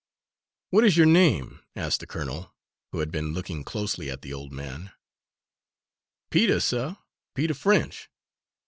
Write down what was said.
"What is your name?" asked the colonel, who had been looking closely at the old man. "Peter, suh Peter French.